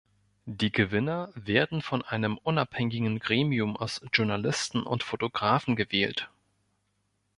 Die Gewinner werden von einem unabhängigen Gremium aus Journalisten und Fotografen gewählt.